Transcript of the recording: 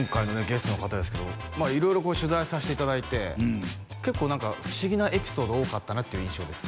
ゲストの方ですけど色々こう取材させていただいて結構何か不思議なエピソード多かったなっていう印象です